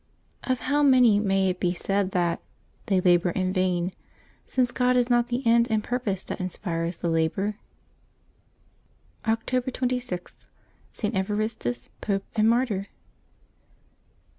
— Of how many may it be said that " they labor in vain,^' since God is not the end and purpose that inspires the labor? October 26.— ST. EVARISTUS, Pope and Martyr.